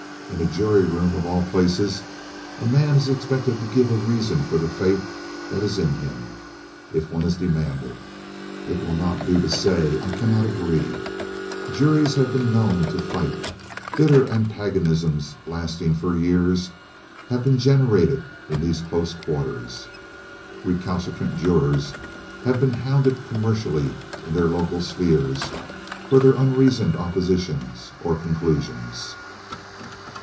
In a jury room, of all places, a man is expected to give a reason for the faith that is in him—if one is demanded. It will not do to say, "I cannot agree." Jurors have been known to fight. Bitter antagonisms lasting for years have been generated in these close quarters. Recalcitrant jurors have been hounded commercially in their local spheres for their unreasoned oppositions or conclusions.